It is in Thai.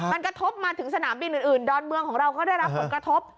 มันกระทบมาถึงสนามบินอื่นดอนเมืองของเราก็ได้รับผลกระทบ